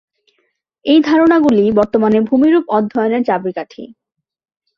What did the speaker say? এই ধারণাগুলি বর্তমানে ভূমিরূপ অধ্যয়নের চাবিকাঠি।